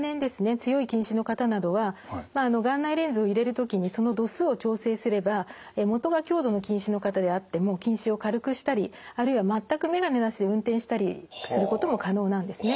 強い近視の方などは眼内レンズを入れる時にその度数を調整すれば元が強度の近視の方であっても近視を軽くしたりあるいは全く眼鏡なしで運転したりすることも可能なんですね。